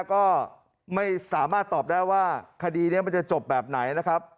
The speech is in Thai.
ก็ไม่สามารถตอบได้ว่าคดีนี้มันจะจบแบบไหนนะครับ